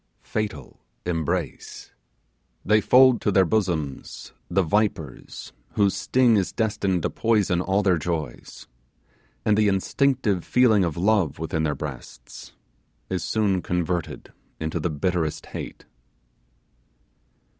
Fatal embrace! They fold to their bosom the vipers whose sting is destined to poison all their joys; and the instinctive feeling of love within their breast is soon converted into the bitterest hate.